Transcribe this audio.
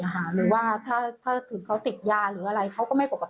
หรือว่าถ้าถึงเขาติดยาหรืออะไรเขาก็ไม่ปกติ